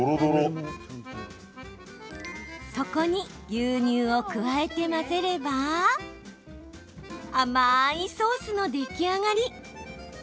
そこに牛乳を加えて混ぜれば甘いソースの出来上がり。